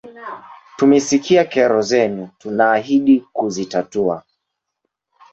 Tumesikia kero zenu tunaahidi kuzitatua.